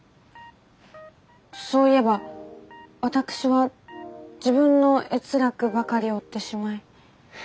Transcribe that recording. そういえば私は自分の悦楽ばかり追ってしまい。